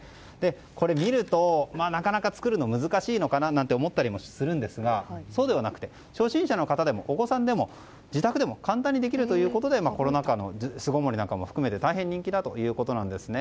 見ると、なかなか作るのが難しいのかなと思ったりもするんですがそうではなくて初心者の方でもお子さんでも自宅でも簡単にできるということでコロナ禍の巣ごもりなども含めて大変人気だということなんです。